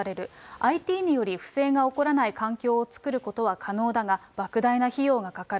ＩＴにより不正が起こらない環境を作ることは可能だが、ばく大な費用がかかる。